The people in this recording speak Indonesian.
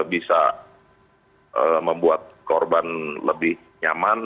bisa membuat korban lebih nyaman